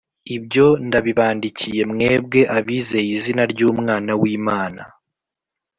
Ibyo ndabibandikiye, mwebwe abizeye izina ry’Umwana w’Imana,